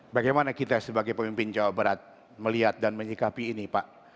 bagaimana kita sebagai pemimpin jawa barat melihat dan menyikapi ini pak